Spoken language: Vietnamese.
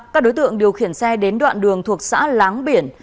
các đối tượng điều khiển xe đến đoạn đường thuộc xã láng biển